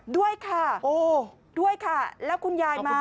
ด้วยค่ะโอ้ด้วยค่ะแล้วคุณยายมา